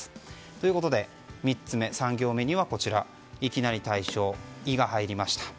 ということで、３行目にはいきなり退所「イ」が入りました。